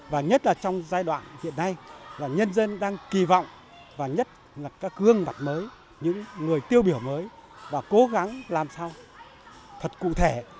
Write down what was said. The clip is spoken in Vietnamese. và nhất là các gương mặt mới những người tiêu biểu mới và cố gắng làm sao thật cụ thể